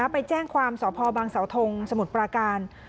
ไปแจ้งความสพบังเสาทงสมุทรปราการ